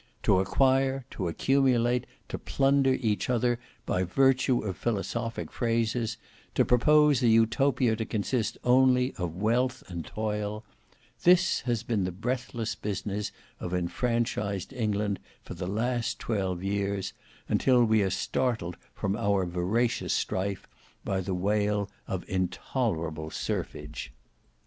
To acquire, to accumulate, to plunder each other by virtue of philosophic phrases, to propose an Utopia to consist only of WEALTH and TOIL, this has been the breathless business of enfranchised England for the last twelve years, until we are startled from our voracious strife by the wail of intolerable serfage.